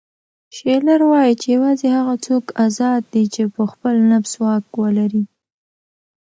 شیلر وایي چې یوازې هغه څوک ازاد دی چې په خپل نفس واک ولري.